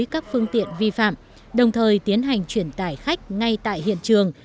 các phương tiện vi phạm đồng thời tiến hành chuyển tải khách ngay tại hiện trường